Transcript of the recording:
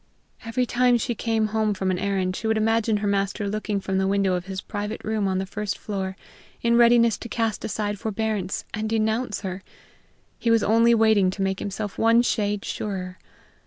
Every time she came home from an errand she would imagine her master looking from the window of his private room on the first floor, in readiness to cast aside forbearance and denounce her: he was only waiting to make himself one shade surer!